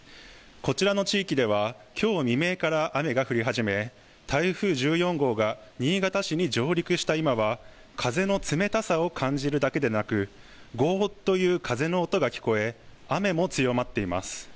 こちらの地域では、きょう未明から雨が降り始め、台風１４号が新潟市に上陸した今は、風の冷たさを感じるだけでなく、ごーっという風の音が聞こえ、雨も強まっています。